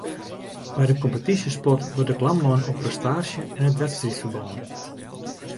By de kompetysjesport wurdt de klam lein op prestaasje en it wedstriidferbân